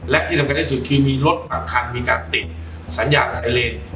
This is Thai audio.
และที่สำคัญที่สุดคือมีรถบางคันมีการติดสัญญาณไซเลน